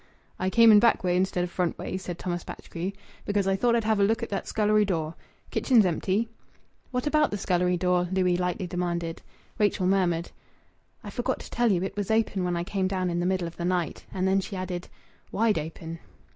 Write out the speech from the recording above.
"I came in back way instead of front way," said Thomas Batchgrew, "because I thought I'd have a look at that scullery door. Kitchen's empty." "What about the scullery door?" Louis lightly demanded. Rachel murmured "I forgot to tell you; it was open when I came down in the middle of the night." And then she added: "Wide open."